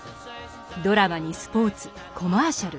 ドラマにスポーツコマーシャル。